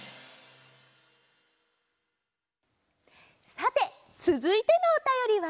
さてつづいてのおたよりは。